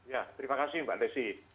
ya terima kasih mbak desi